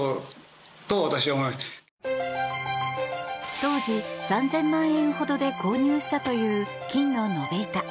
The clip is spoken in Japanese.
当時３０００万円ほどで購入したという金の延べ板。